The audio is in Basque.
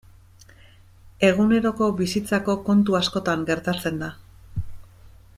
Eguneroko bizitzako kontu askotan gertatzen da.